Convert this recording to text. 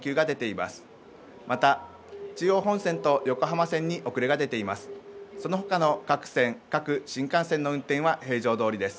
また、中央本線と横浜線に遅れが出ています。